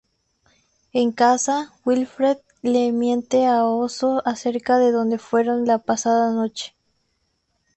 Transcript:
En casa, Wilfred le miente a Oso acerca de donde fueron la pasada noche.